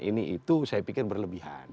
ini itu saya pikir berlebihan